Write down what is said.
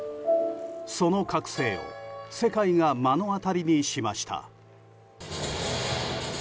その覚醒を世界が目の当たりにしました。